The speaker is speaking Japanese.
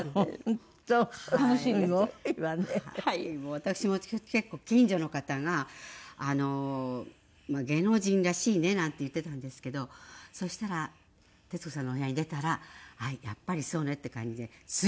私も結構近所の方が「芸能人らしいね」なんて言ってたんですけどそうしたら「徹子さんのお部屋」に出たら「やっぱりそうね」って感じで次の日にですよ